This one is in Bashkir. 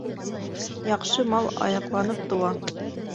Яҡшы мал аяҡланып тыуа.